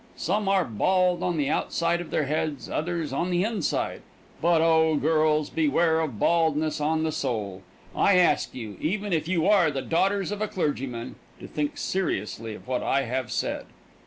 Some are bald on the outside of their heads, others on the inside. But oh, girls, beware of baldness on the soul. I ask you, even if you are the daughters of a clergyman, to think seriously of what I have said.